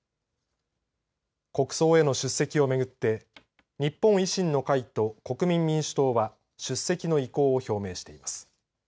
国葬への出席を巡って日本維新の会と国民民主党は出席の意向を表明しています。